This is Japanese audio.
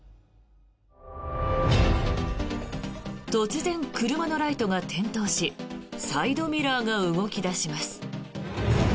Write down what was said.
突然、車のライトが点灯しサイドミラーが動き出します。